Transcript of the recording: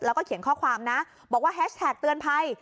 แล้วก็เขียนข้อความนะบอกว่าแฮชแท็กเตือนภัย